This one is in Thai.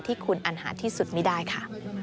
ที่คุณอันหาที่สุดไม่ได้ค่ะ